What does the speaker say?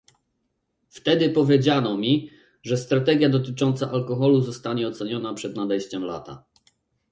Wtedy powiedziano mi, że strategia dotycząca alkoholu zostanie oceniona przed nadejściem lata